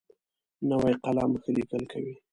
نوی قلم ښه لیکل کوي